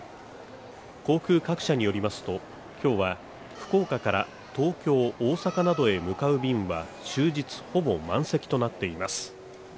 航空各社によりますと今日は福岡から東京、大阪などへ向かう便は終日ほぼ満席となっています。